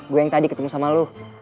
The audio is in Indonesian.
gue yang tadi ketemu sama lo